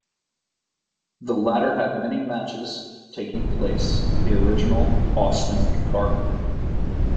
The latter had many matches taking place in the original Boston Garden.